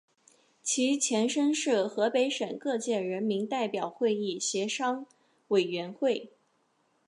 其前身是河北省各界人民代表会议协商委员会。